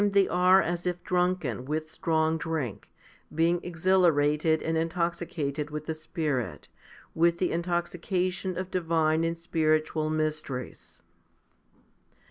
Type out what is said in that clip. HOMILY XVIII 155 are as if drunken with strong drink, being exhilarated and intoxicated with the Spirit, with the intoxication of divine and spiritual mysteries.